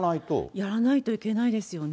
やらないといけないですよね。